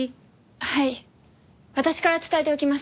はい私から伝えておきます。